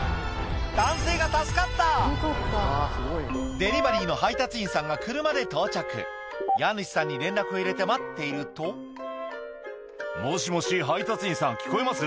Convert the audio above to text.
デリバリーの配達員さんが車で到着家主さんに連絡を入れて待っていると「もしもし配達員さん聞こえます？」